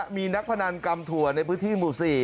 มีนักพนันกำถั่วในพื้นที่หมู่๔